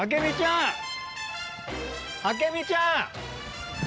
あけみちゃん！